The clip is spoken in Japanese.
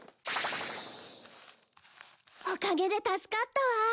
おかげで助かったわ。